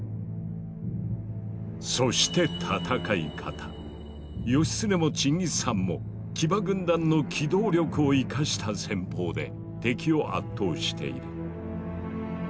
そして義経もチンギス・ハンも騎馬軍団の機動力を生かした戦法で敵を圧倒している。